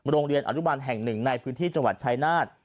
โรงเรียนอรุบันแห่ง๑ในพื้นที่จังหวัดชายนาฏ